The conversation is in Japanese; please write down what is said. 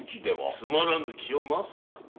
つまらぬ気を回すな。